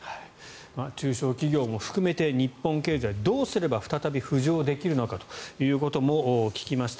中小企業も含めて日本経済どうすれば再び浮上できるのかということも聞きました。